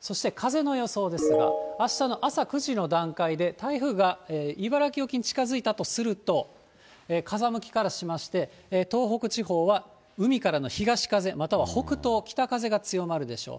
そして風の予想ですが、あしたの朝９時の段階で、台風が茨城沖に近づいたとすると、風向きからしまして、東北地方は海からの東風または北東、北風が強まるでしょう。